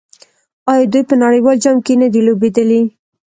آیا دوی په نړیوال جام کې نه دي لوبېدلي؟